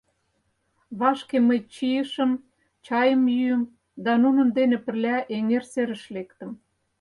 Вашке мый чийышым, чайым йӱым да нунын дене пырля эҥер серыш лектым.